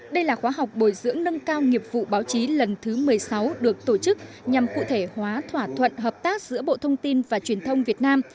đây là khóa học bồi dưỡng nâng cao nghiệp vụ báo chí lần thứ một mươi sáu được tổ chức nhằm cụ thể hóa thỏa thuận hợp tác giữa bộ thông tin và truyền thông việt nam